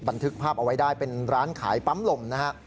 บันทึกภาพเอาไว้ได้เป็นร้านขายปั๊มลมนะฮะ